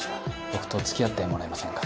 僕と付き合ってもらえませんか？